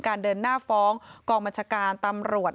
การเดินหน้าฟ้องกรมรัชการตำรวจ